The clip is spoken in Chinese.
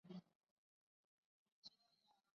全员战死。